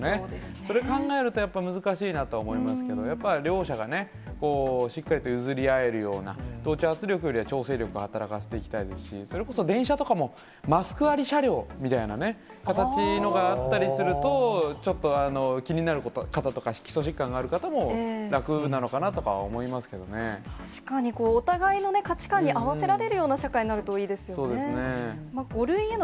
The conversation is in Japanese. それ考えると、やっぱり難しいなと思いますけど、やっぱり両者がね、しっかりと譲り合えるような、同調圧力よりは調整力を働かせていきたいですし、それこそ電車とかも、マスクあり車両みたいなね、形のがあったりすると、ちょっと気になる方とか、基礎疾患がある方も、楽なのかなとは思確かに、お互いの価値観に合わせられるような社会になるといいですよね。